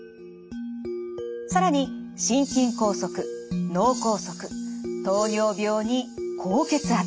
更に心筋梗塞脳梗塞糖尿病に高血圧。